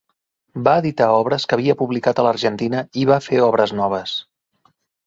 Va editar obres que havia publicat a l'Argentina i va fer obres noves.